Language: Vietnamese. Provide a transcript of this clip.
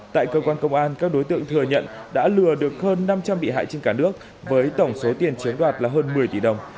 tại cơ quan công an các đối tượng thừa nhận đã lừa được hơn năm trăm linh bị hại trên cả nước với tổng số tiền chiếm đoạt là hơn một mươi tỷ đồng